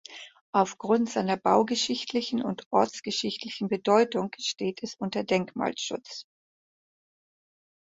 Aufgrund seiner baugeschichtlichen und ortsgeschichtlichen Bedeutung steht es unter Denkmalschutz.